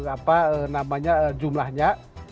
apa namanya jumlahnya